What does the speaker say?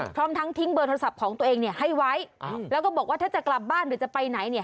พร้อมทั้งทิ้งเบอร์โทรศัพท์ของตัวเองเนี่ยให้ไว้แล้วก็บอกว่าถ้าจะกลับบ้านหรือจะไปไหนเนี่ย